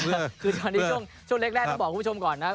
คือตอนในช่วงเล็กแรกต้องบอกคุณผู้ชมก่อนนะ